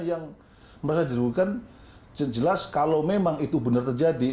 yang merasa dirugikan jelas kalau memang itu benar terjadi